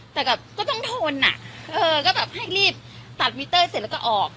แต่แบบก็ต้องทนอ่ะเออก็แบบให้รีบตัดมิเตอร์เสร็จแล้วก็ออก